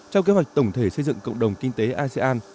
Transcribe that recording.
trong kế hoạch tổng thể xây dựng cộng đồng kinh tế asean